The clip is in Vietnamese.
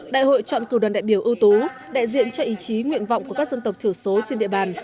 đại hội chọn cử đoàn đại biểu ưu tú đại diện cho ý chí nguyện vọng của các dân tộc thiểu số trên địa bàn